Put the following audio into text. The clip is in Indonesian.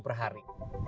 seratus per hari